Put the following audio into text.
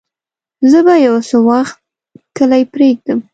زه به يو څه وخت کلی پرېږدم.